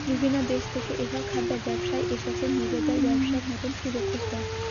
বিভিন্ন দেশ থেকে এসব খাদ্য ব্যবসায়ী এসেছেন নিজেদের ব্যবসার নতুন সুযোগ খুঁজতে।